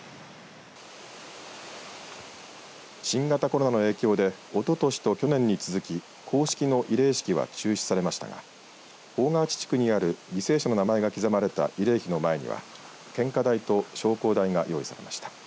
新型コロナの影響でおととしと去年に続き公式の慰霊式は中止されましたが宝川内地区にある犠牲者の名前が刻まれた慰霊碑の前には献花台と焼香台が用意されました。